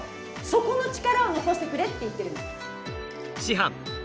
そこの力を残してくれって言ってるの。